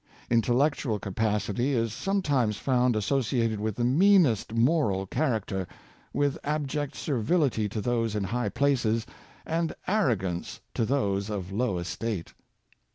Intellectual capacity is sometimes found associated with the meanest moral character — with abject servility to those in high places, and arro gance to those of low estate.